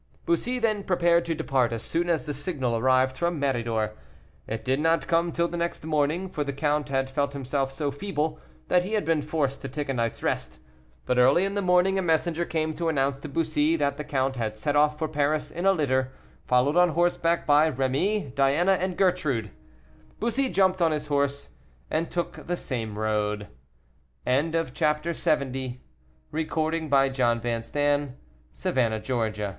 Bussy then prepared to depart as soon as the signal arrived from Méridor. It did not come till the next morning, for the count had felt himself so feeble that he had been forced to take a night's rest. But early in the morning a messenger came to announce to Bussy that the count had set off for Paris in a litter, followed on horseback by Rémy, Diana, and Gertrude. Bussy jumped on his horse, and took the same road. CHAPTER LXXI. WHAT TEMPER THE KING WAS IN WHEN ST. LUC REAPPEARED AT THE LOUVRE.